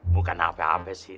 bukan apa apa sih